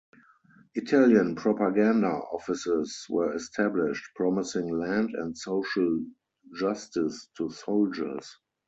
Italian propaganda offices were established, promising land and social justice to soldiers.